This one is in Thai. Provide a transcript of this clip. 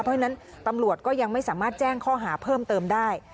เพราะฉะนั้นตำรวจก็ยังไม่สามารถแจ้งข้อหาเพิ่มเติมได้